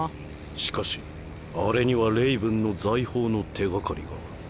しかしあれにはレイブンの財宝の手掛かりが。